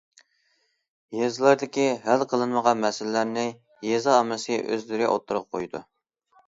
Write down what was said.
يېزىلاردىكى ھەل قىلىنمىغان مەسىلىلەرنى يېزا ئاممىسى ئۆزلىرى ئوتتۇرىغا قويىدۇ.